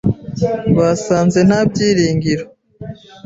Basanze nta byiringiro.